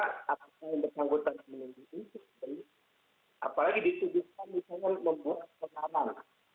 nah apakah yang bersanggup dengan penyelenggaraan itu apalagi ditujukan misalnya membuat perlengkapan